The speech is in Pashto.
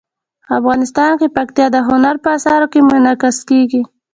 افغانستان کې پکتیا د هنر په اثار کې منعکس کېږي.